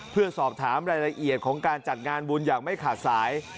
เพื่อสอบถามรายละเอียดของการจัดงานบุญอย่างไม่ขาดสาย